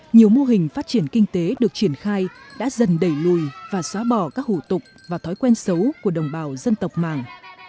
nhiều mô hình phát triển kinh tế được triển khai đã dần đẩy lùi và xóa bỏ các hủ tục và thói quen xấu của đồng bào dân tộc mạng